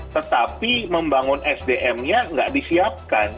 tetapi membangun sdm nya nggak disiapkan